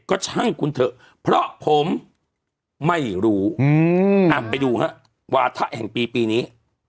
ก็ช่างคุณเถอะเพราะผมไม่รู้ไปดูฮะวาถะแห่งปีปีนี้